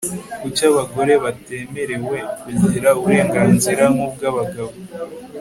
Kuki abagore batemerewe kugira uburenganzira nkubwabagabo